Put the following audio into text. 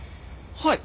はい。